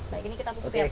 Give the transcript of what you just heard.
baik ini kita tutup ya pak